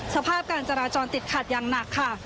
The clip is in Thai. สภาพการจราจรติดขัดอย่างหนักค่ะ